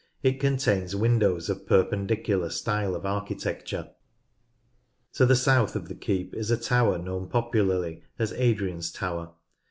It contains windows of Perpendicular style of architecture. To the south of the keep is a tower known popularly as Adrian's tower.